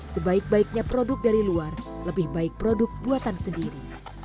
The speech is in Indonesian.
sebaik baiknya produk dari luar lebih baik produk buatan sendiri